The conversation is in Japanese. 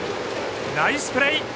ナイスプレー！